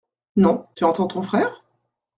Non, tu entends ton frère ?